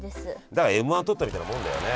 だからＭ−１取ったみたいなもんだよね。